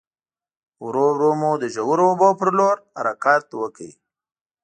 ورو ورو مو د ژورو اوبو په لور حرکت وکړ.